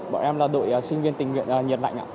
bọn em là đội sinh viên tình nguyện nhiệt lạnh ạ